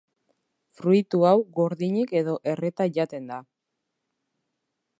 Fruitu hau gordinik edo erreta jaten da.